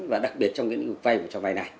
và đặc biệt trong lĩnh vực vay trong vay này